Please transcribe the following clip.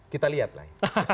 kita lihat lah